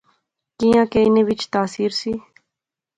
کیاں کہ انیں وچ تاثیر سی